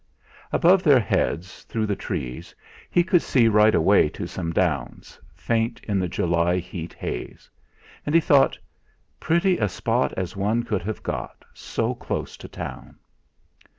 Above their heads, through the trees, he could see right away to some Downs, faint in the July heat haze. And he thought: 'Pretty a spot as one could have got, so close to Town!'